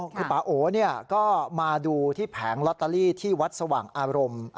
คือป่าโอก็มาดูที่แผงลอตเตอรี่ที่วัดสว่างอารมณ์